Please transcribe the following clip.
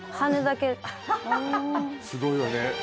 すごいわね。